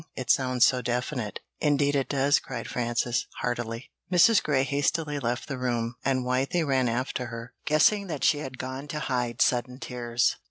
It sounds so definite." "Indeed it does!" cried Frances, heartily. Mrs. Grey hastily left the room, and Wythie ran after her, guessing that she had gone to hide sudden tears.